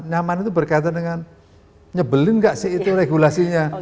nyaman itu berkaitan dengan nyebelin gak sih itu regulasinya